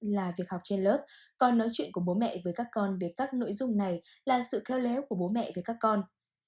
là việc học trên lớp còn nói chuyện của bố mẹ với các con về các nội dung này là sự khéo léo của bố mẹ với các con